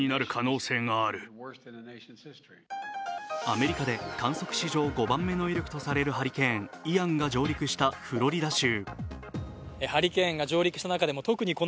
アメリカで観測史上５番目の威力とされるハリケーン・イアンが上陸したフロリダ州。